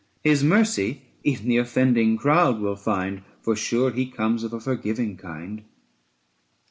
His mercy even the offending crowd will find, For sure he comes of a forgiving kind.